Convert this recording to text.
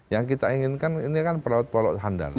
yang kita inginkan ini kan pelaut pelaut handal